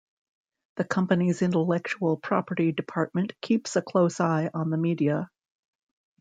The company's intellectual property department keeps a close eye on the media.